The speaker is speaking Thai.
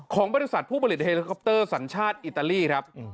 ของบริษัทผู้ผลิตเฮลิคอปเตอร์สัญชาติอิตาลีครับ